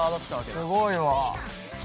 すごいわ。